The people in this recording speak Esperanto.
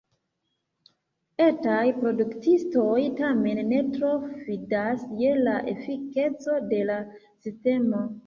Etaj produktistoj tamen ne tro fidas je la efikeco de la sistemo.